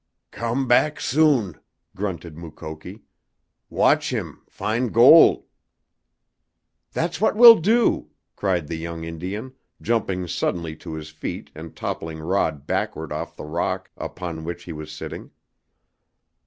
"Come back soon!" grunted Mukoki. "Watch heem. Fin' gol'!" "That's what we'll do!" cried the young Indian, jumping suddenly to his feet and toppling Rod backward off the rock upon which he was sitting.